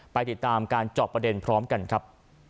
ไปติดตามการเจาะประเด็นพร้อมกันครับ